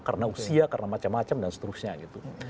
karena usia karena macam macam dan seterusnya gitu